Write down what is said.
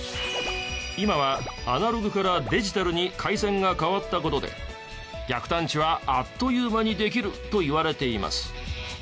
今はアナログからデジタルに回線が変わった事で逆探知はあっという間にできるといわれています。